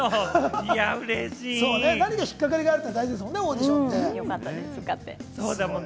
何か引っかかりがあるのは大事ですよね、オーディションで。